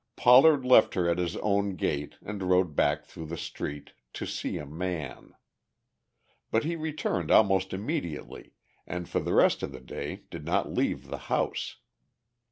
Pollard left her at his own gate and rode back through the street, "to see a man." But he returned almost immediately and for the rest of the day did not leave the house.